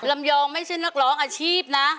ลำยองไม่ใช่นักร้องอาชีพนะ